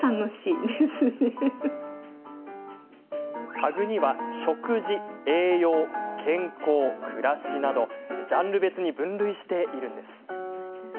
タグには食事、栄養、健康、暮らしなどジャンル別に分類しているんです。